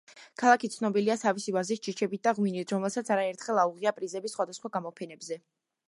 ქალაქი ცნობილია თავისი ვაზის ჯიშებით და ღვინით, რომელსაც არაერთხელ აუღია პრიზები სხვადასხვა გამოფენებზე.